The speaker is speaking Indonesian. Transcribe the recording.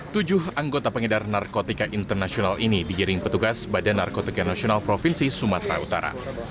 tujuh anggota pengedar narkotika internasional ini digiring petugas badan narkotika nasional provinsi sumatera utara